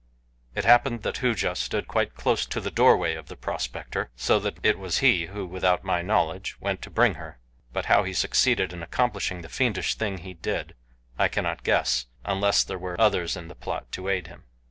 It happened that Hooja stood quite close to the doorway of the prospector, so that it was he who, without my knowledge, went to bring her; but how he succeeded in accomplishing the fiendish thing he did, I cannot guess, unless there were others in the plot to aid him.